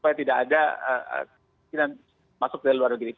supaya tidak ada kemungkinan masuk dari luar negeri